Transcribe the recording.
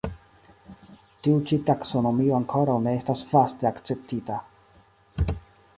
Tiu ĉi taksonomio ankoraŭ ne estas vaste akceptita.